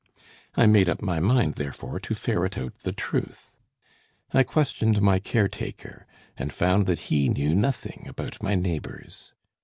"I made up my mind, therefore, to ferret out the truth. I questioned my caretaker, and found that he knew nothing about my neighbors.